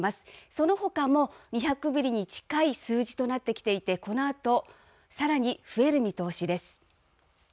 そのほかも、２００ミリに近い数字となってきていて、このあと、さらに増える見通しです。